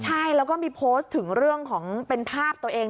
ใช่แล้วก็มีโพสต์ถึงเรื่องของเป็นภาพตัวเอง